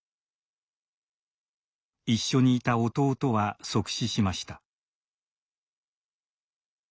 一緒にいた弟は即死しました。